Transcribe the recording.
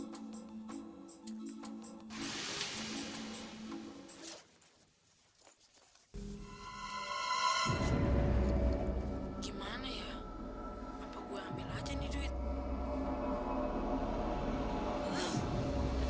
cuma agak lamaan dikit ya